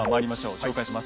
紹介します。